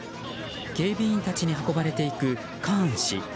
警備員たちに運ばれていくカーン氏。